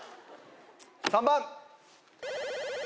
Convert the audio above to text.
３番。